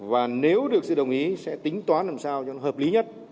và nếu được sự đồng ý sẽ tính toán làm sao cho nó hợp lý nhất